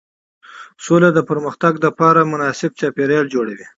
سوله د پرمختګ لپاره مناسب چاپېریال جوړوي